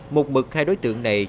mục mực hai đối tượng này